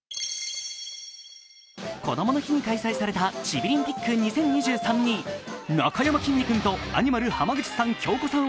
こどもの日に開催されたチビリンピック２０２３になかやまきんに君とアニマル浜口さん京子さん